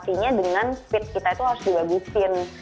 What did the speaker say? artinya dengan speed kita itu harus dibagusin